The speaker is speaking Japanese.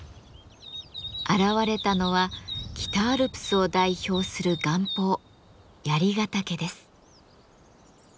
現れたのは北アルプスを代表する岩峰槍ヶ岳です。